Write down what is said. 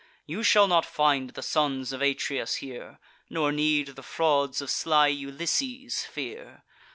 You shall not find the sons of Atreus here, Nor need the frauds of sly Ulysses fear.